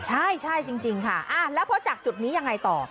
ใช่จริงค่ะแล้วพอจากจุดนี้ยังไงต่อ